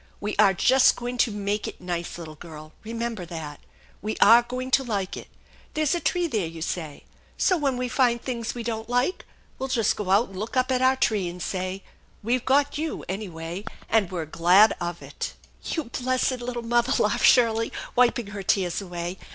We are just going to make it nice, little girl. Remember that ! We are going to like it. There's a tree there, you say ; so, when we find things we don't like, we'll just go out and look up at our tree, and say, c We've got you, anyway, and we're glad of it !"" You blessed little mother !" laughed Shirley, wiping her tears away.